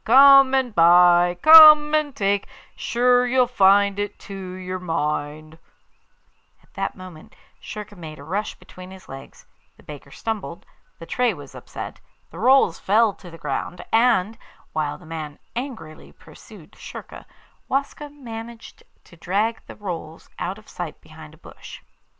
Come and buy, come and take, Sure you'll find it to your mind,' At that moment Schurka made a rush between his legs the baker stumbled, the tray was upset, the rolls fell to the ground, and, while the man angrily pursued Schurka, Waska managed to drag the rolls out of sight behind a bush.